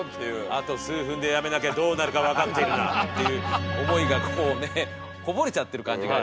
「あと数分でやめなきゃどうなるか分かってるな」っていう思いがこうねこぼれちゃってる感じがありましたけど。